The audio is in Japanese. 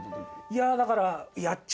いやだから。